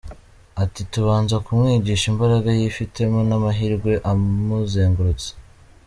Ati “Tubanza kumwigisha imbaraga yifitemo n’amahirwe amuzengurutse.